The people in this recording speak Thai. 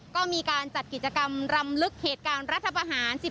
ก็มีการจัดกิจกรรมรำลึกเหตุการณ์รัฐประหาร